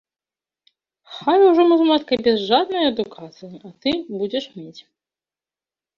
Хай ужо мы з маткай без жаднай адукацыі, а ты будзеш мець.